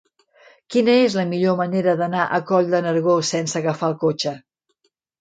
Quina és la millor manera d'anar a Coll de Nargó sense agafar el cotxe?